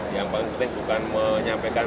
yang paling penting bukan menyampaikan